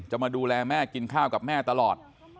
มาดูแลแม่กินข้าวกับแม่ตลอด